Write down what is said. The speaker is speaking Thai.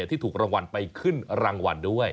ที่ถูกรางวัลไปขึ้นรางวัลด้วย